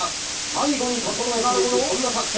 最後に整えていくそんな作戦。